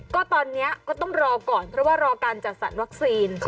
ก็ตอนนี้ก็ต้องรอก่อนเพราะว่ารอการจัดสรรวัคซีน